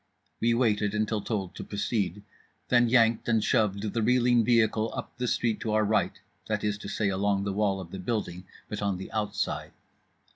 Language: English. We waited until told to proceed; then yanked and shoved the reeling vehicle up the street to our right, that is to say, along the wall of the building, but on the outside.